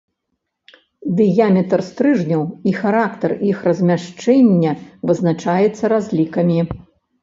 Дыяметр стрыжняў і характар іх размяшчэння вызначаецца разлікамі.